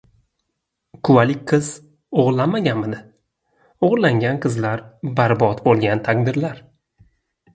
Quvalik qiz o‘g‘irlanmaganmidi? O‘g‘irlangan qizlar — barbod bo‘lgan taqdirlar…